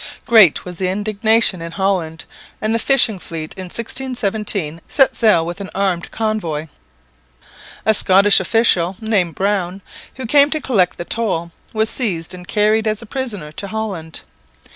Great was the indignation in Holland, and the fishing fleet in 1617 set sail with an armed convoy. A Scottish official named Browne, who came to collect the toll, was seized and carried as a prisoner to Holland.